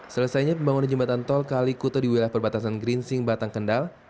selesainya pembangunan jembatan tol kalikuto di wilayah perbatasan gringsing batang kendal